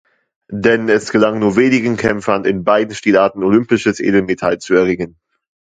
Denn es gelang nur wenigen Kämpfern, in beiden Stilarten olympisches Edelmetall zu „erringen“.